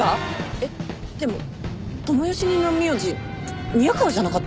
えっでも智代主任の名字宮川じゃなかったでした？